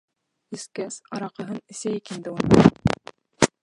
Эскәс, араҡыһын эсәйек инде уның!